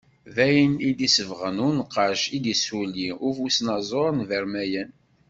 Dayen i d-isebgen unqac i d-isuli ufusnaẓur n Vermeyene.